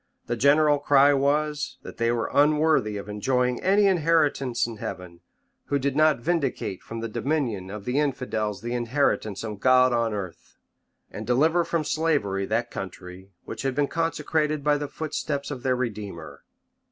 The general cry was, that they were unworthy of enjoying any inheritance in heaven, who did not vindicate from the dominion of the infidels the inheritance of God on earth, and deliver from slavery that country which had been consecrated by the foot steps of their Redeemer.